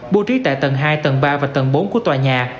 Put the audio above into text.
bố trí tại tầng hai tầng ba và tầng bốn của tòa nhà